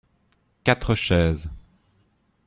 Quatre chaises.